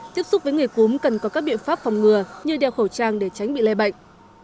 tiếp xúc với người cúm cần có các biện pháp phòng ngừa như đeo khẩu trang để tránh bị lây bệnh